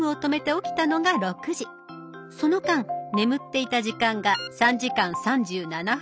その間眠っていた時間が３時間３７分。